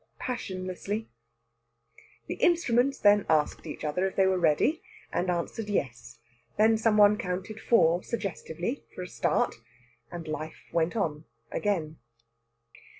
passionlessly. The instruments then asked each other if they were ready, and answered yes. Then some one counted four suggestively, for a start, and life went on again.